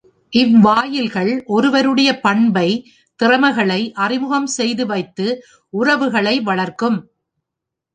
இவ்வாயில்கள் ஒருவருடைய பண்பை, திறமைகளை அறிமுகம் செய்து வைத்து உறவுகளை வளர்க்கும்.